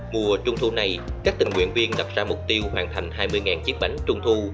mùa trung thu này các tình nguyện viên đặt ra mục tiêu hoàn thành hai mươi chiếc bánh trung thu